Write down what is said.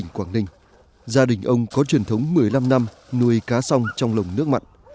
núi cá song trong lồng nước mặn